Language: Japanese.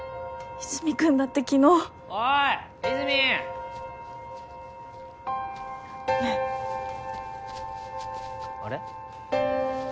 和泉君だって昨日おい和泉ごめんあれ？